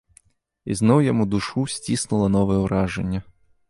І зноў яму душу сціснула новае ўражанне.